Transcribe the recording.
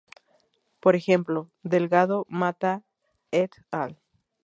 Por ejemplo, Delgado-Mata et al.